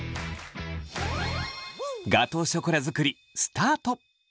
ガトーショコラ作りスタート！